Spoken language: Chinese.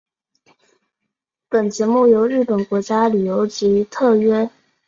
本节目由日本国家旅游局特约。